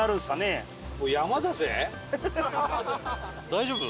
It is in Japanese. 大丈夫？